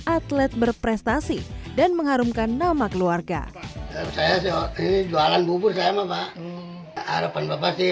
atlet berprestasi dan mengharumkan nama keluarga saya ini jualan bubur saya sama pak harapan bapak sih